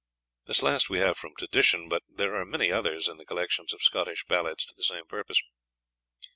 This last we have from tradition, but there are many others in the collections of Scottish Ballads to the same purpose.